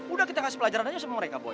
udah kita kasih pelajaran aja sama mereka